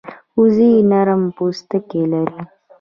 وزې نرم پوستکی لري